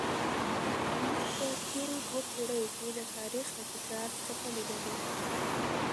موږ په تېرو دوو پیړیو کې د تاریخ د تکرار څپه لیدلې.